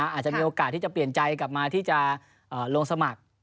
อาจจะมีโอกาสที่จะเปลี่ยนใจกลับมาที่จะลงสมัคร